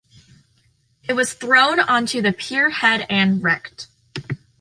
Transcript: It was thrown onto the pierhead and wrecked.